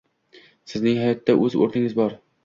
Sizning hayotda o’z o’rningiz bor